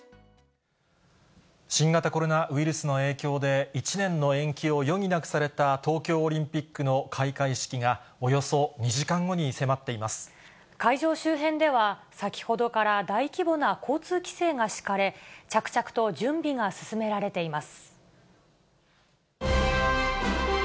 新型コロナウイルスの影響で１年の延期を余儀なくされた東京オリンピックの開会式が、会場周辺では、先ほどから大規模な交通規制が敷かれ、着々と準備が進められています。